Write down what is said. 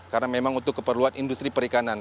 karena memang untuk keperluan industri perikanan